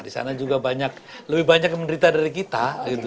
di sana juga lebih banyak yang menderita dari kita